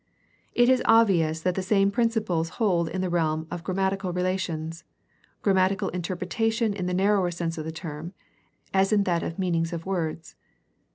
It is obvious that the same principles hold in the realm of grammatical relations — grammatical interpretation in the narrower sense of the term — as in that of meanings of words.